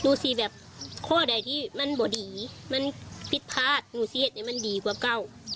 ดูสิแบบข้อใดที่มันบ่ดีมันผิดพลาดหนูเสียดเนี่ยมันดีกว่าเก่า